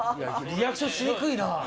リアクションしにくいな。